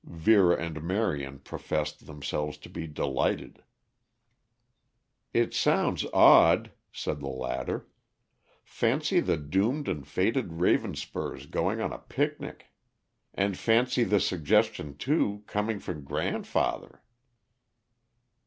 Vera and Marion professed themselves to be delighted. "It sounds odd," said the latter. "Fancy the doomed and fated Ravenspurs going on a picnic! And fancy the suggestion, too, coming from grandfather!"